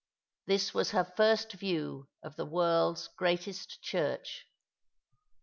This was her first view of the world's greatest church.